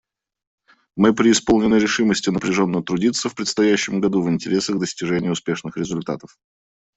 Мы преисполнены решимости напряженно трудиться в предстоящем году в интересах достижения успешных результатов.